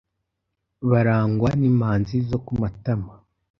barangwa nimanzi zo ku matama.